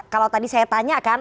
kalau tadi saya tanya kan